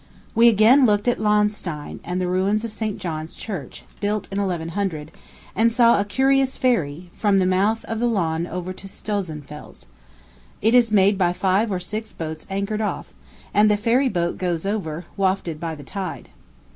We again looked at Lahnstein, and the ruins of St. John's Church, built in 1100, and saw a curious ferry, from the mouth of the Lahn over to Stolzenfels. It is made by five or six boats anchored off, and the ferry boat goes over, wafted by the tide.